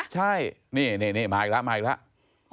ใช่นี่มาอีกแล้ว